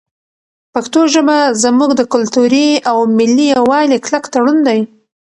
پښتو ژبه زموږ د کلتوري او ملي یووالي کلک تړون دی.